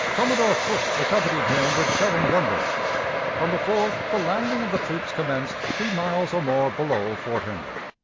Commodore Foote accompanied him with seven gunboats. On the 4th the landing of the troops commenced three miles or more below Fort Henry.